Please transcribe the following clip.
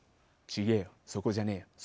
ちげえよ、そこじゃねえよ。